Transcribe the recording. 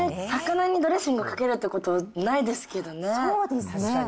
魚にドレッシングかけるってことないですけどね。